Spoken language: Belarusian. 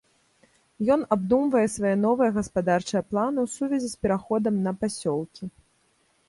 Ён абдумвае свае новыя гаспадарчыя планы ў сувязі з пераходам на пасёлкі.